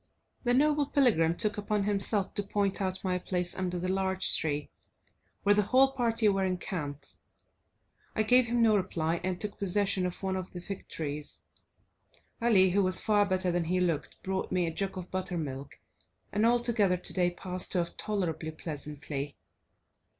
The noble pilgrim took upon himself to point out my place under the large tree, where the whole party were encamped. I gave him no reply, and took possession of one of the fig trees. Ali, who was far better than he looked, brought me a jug of buttermilk, and altogether today passed off tolerably pleasantly.